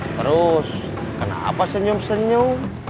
terus kenapa senyum senyum